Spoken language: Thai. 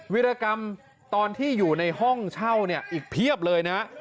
วิรกรรมตอนที่อยู่ในห้องเช่าเนี่ยอีกเพียบเลยนะ